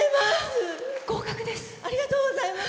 ありがとうございます！